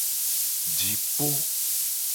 Jipo.